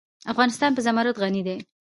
افغانستان په زمرد غني دی.